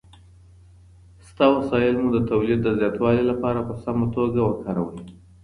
شته وسايل مو د توليد د زياتوالي لپاره په سمه توګه وکاروئ.